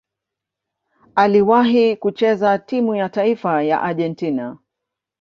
Aliwahi kucheza timu ya taifa ya Argentina.